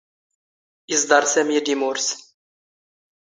ⵉⵥⴹⴰⵕ ⵙⴰⵎⵉ ⴰⴷ ⵉⵎⵓⵔⵙ.